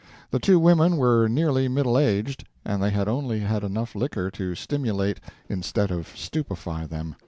The two women were nearly middle aged, and they had only had enough liquor to stimulate instead of stupefy them.